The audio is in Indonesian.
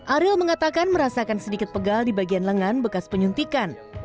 ariel mengatakan merasakan sedikit pegal di bagian lengan bekas penyuntikan